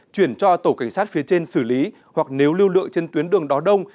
chuyển cho tổ cảnh sát phía trên xử lý hoặc nếu lưu lượng trên tuyến đường đó đông